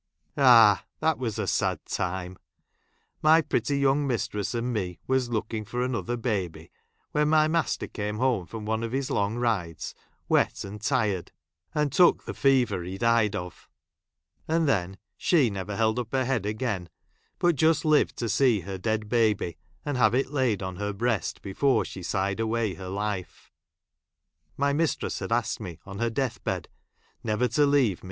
Ah ! that was a sad time. My pretty young mistress and me was look¬ ing for another baby, when my master came home from one of his long rides, wet and tired, and took the fever he died of ; and then she never held up her head again, but just lived to see her dead baby, and have it laid on her breast before she sighed away her life. My mistress had asked me, on her death bed, never to leave Mis.